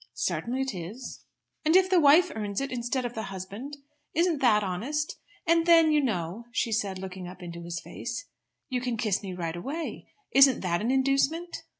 "Certainly it is." "And if the wife earns it instead of the husband; isn't that honest? And then you know," she said, looking up into his face, "you can kiss me right away. Isn't that an inducement?"